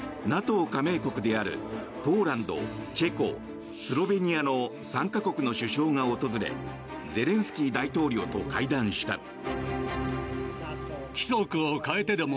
ＮＡＴＯ加盟国であるポーランド、チェコスロベニアの３か国の首相が訪れゼレンスキー大統領と会談した。